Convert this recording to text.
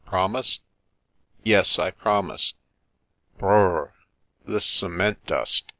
Promise ?" "Yes, I promise. Br rr r! this cement dust!